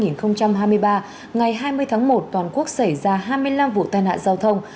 ngày hai mươi tháng một toàn quốc xảy ra hai mươi năm vụ tai nạn giao thông